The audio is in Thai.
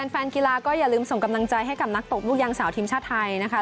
แฟนกีฬาก็อย่าลืมส่งกำลังใจให้กับนักตบลูกยางสาวทีมชาติไทยนะคะ